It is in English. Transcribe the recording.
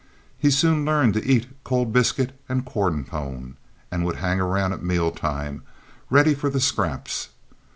He soon learned to eat cold biscuit and corn pone, and would hang around at meal time, ready for the scraps.